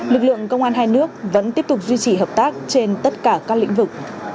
lực lượng công an hai nước vẫn tiếp tục duy trì hợp tác trên tất cả các lĩnh vực